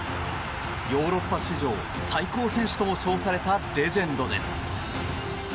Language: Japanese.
ヨーロッパ史上最高選手とも称されたレジェンドです。